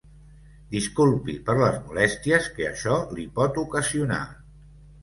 Disculpi per les molèsties que això li pot ocasionar.